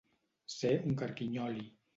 Ser un carquinyoli.